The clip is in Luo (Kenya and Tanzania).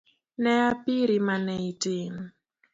Ne a piri mane itin